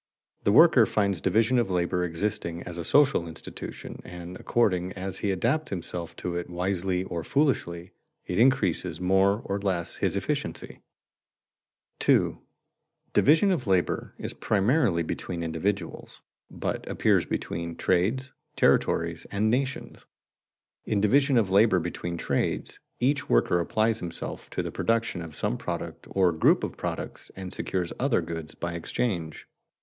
The worker finds division of labor existing as a social institution and, according as he adapts himself to it wisely or foolishly, it increases more or less his efficiency. [Sidenote: Division of labor between trades and territories] 2. Division of labor is primarily between individuals, but appears between trades, territories, and nations. In division of labor between trades, each worker applies himself to the production of some product or group of products and secures other goods by exchange.